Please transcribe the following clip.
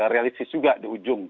realistis juga di ujung